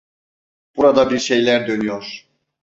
Burada bir şeyler dönüyor.